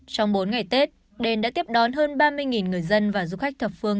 trong bốn ngày tết đền đã tiếp đón hơn ba mươi người dân và du khách thập phương